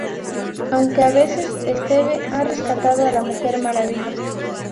Aunque, a veces, Steve ha rescatado a la Mujer Maravilla.